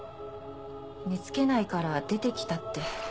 「寝つけないから出てきた」って。